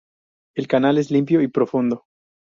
El canal es limpio y profundo.